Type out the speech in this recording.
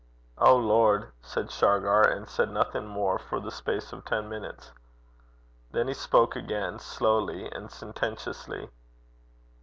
'O lord!' said Shargar, and said nothing more for the space of ten minutes. Then he spoke again slowly and sententiously.